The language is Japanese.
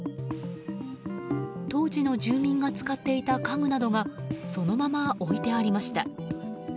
当時の住民が使っていた家具などがそのまま置いてありました。